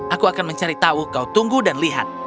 aku akan mencari tahu kau tunggu dan lihat